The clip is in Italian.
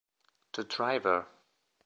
The Driver